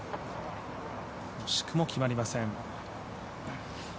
惜しくも決まりません。